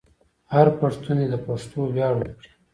هر پښتون دې د پښتو ویاړ وکړي.